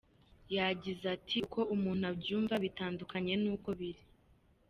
Yagize ati “ Uko umuntu abyumva bitandukanye n’uko biri.